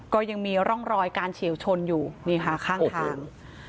ก็ยังมีร่องรอยการเฉียวชนอยู่นี่ค่ะข้างทาง